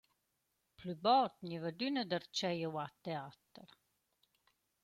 Plü bod gniva adüna darcheu giovà teater.